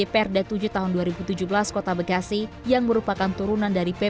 perda tujuh belas tahun dua ribu tujuh belas